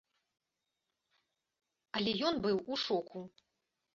Але ён быў у шоку.